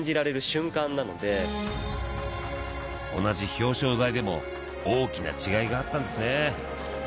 同じ表彰台でも大きな違いがあったんですね